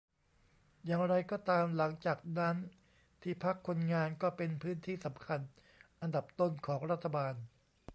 อย่างไรก็ตามหลังจากนั้น ที่พักคนงานก็เป็นพื้นที่สำคัญอันดับต้นของรัฐบาล